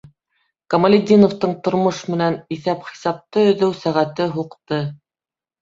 Камалетдиновтың тормош менән иҫәп-хисапты өҙөү сәғәте һуҡты...